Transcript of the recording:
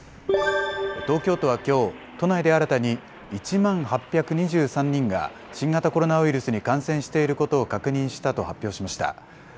東京都はきょう、都内で新たに１万８２３人が新型コロナウイルスに感染していることを確認したと発表しました。